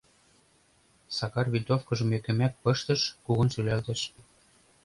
Сакар винтовкыжым ӧкымак пыштыш, кугун шӱлалтыш...